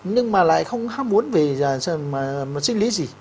nhưng mà lại không ham muốn về một sinh lý gì